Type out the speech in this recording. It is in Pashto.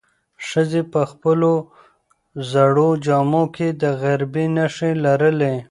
ښځې په خپلو زړو جامو کې د غریبۍ نښې لرلې.